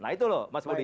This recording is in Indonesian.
nah itu loh mas budi